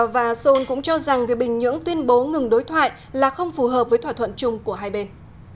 và seoul cũng cho rằng việc bình nhưỡng tuyên bố ngừng đối thoại là không phù hợp với thỏa thuận chung của hai bên